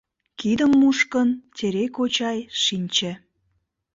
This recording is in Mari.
Кидым мушкын, Терей кочай шинче.